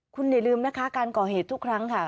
คุณอย่าลืมนะคะการก่อเหตุทุกครั้งค่ะ